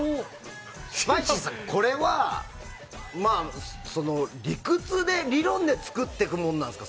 スパイシーさん、これは理屈理論で作っていくものですか？